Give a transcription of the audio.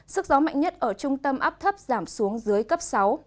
sức gió mạnh nhất ở trung tâm áp thấp giảm xuống dưới cấp sáu